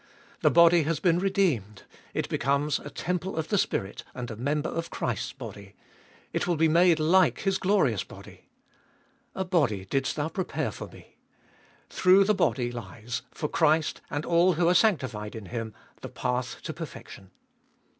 The body has been redeemed ; it becomes a temple of the Spirit and a member of Christ's body ; it will be made like His glorious body. A body didst thou prepare for Me : through the body lies, for Christ and all who are sanctified in Him, the path to perfection.